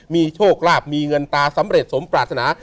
มีโชคลาภมีเงินตาสำเร็จสมปรารถนา